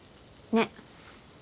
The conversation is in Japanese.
ねっ。